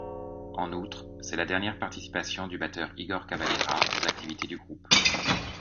En outre, c'est la dernière participation du batteur Igor Cavalera aux activités du groupe.